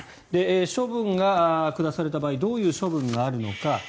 処分が下された場合どういう処分があるのか。